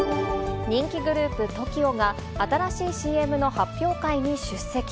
人気グループ、ＴＯＫＩＯが新しいＣＭの発表会に出席。